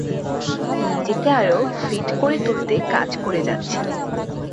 নিজেকে আরও ফিট করে তুলতে কাজ করে যাচ্ছি।